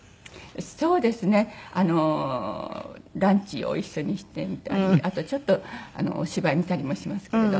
そうですねランチを一緒にしてみたりあとちょっとお芝居見たりもしますけれど。